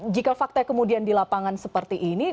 jika fakta kemudian di lapangan seperti ini